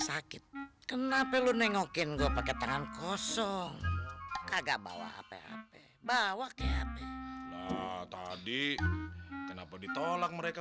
sakit kenapa lu nengokin gua pakai tangan kosong kagak bawa hp bawa kayak tadi kenapa ditolak mereka